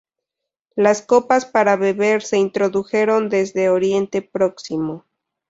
Las copas para beber se introdujeron desde Oriente Próximo.